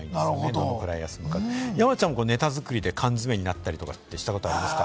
どのくらい休むか、山ちゃんはネタ作りで缶詰めになったりとかってしたことあるんですか？